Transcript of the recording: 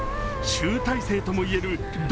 集大成とも言えるド